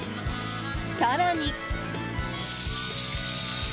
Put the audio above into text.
更に。